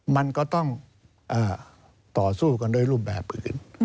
มันก็ต้องต่อสู้กันด้วยรูปแบบอื่น